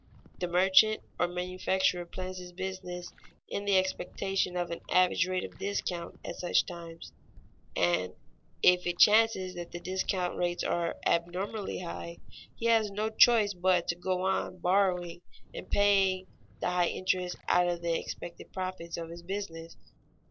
The merchant or manufacturer plans his business in the expectation of an average rate of discount at such times, and if it chances that the discount rates are abnormally high, he has no choice but to go on borrowing and paying the high interest out of the expected profits of his business.